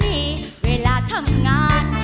ตอนนี้เวลาทำงาน